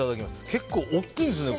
結構大きいですね。